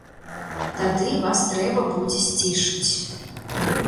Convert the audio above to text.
Тады вас трэба будзе сцішыць.